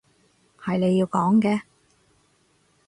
係你要講嘅